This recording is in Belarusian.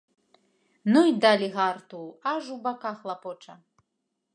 Ну й далі гарту, аж у баках лапоча.